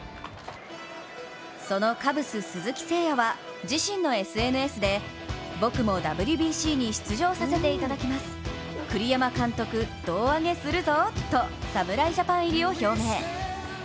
そのカブス・鈴木誠也は、自身のＳＮＳで「僕もＷＢＣに出場させていただきます、栗山監督胴上げするぞぉー」と侍ジャパン入りを表明。